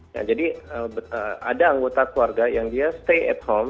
nah jadi ada anggota keluarga yang dia stay at home